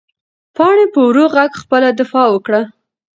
پاڼې په ورو غږ خپله دفاع وکړه.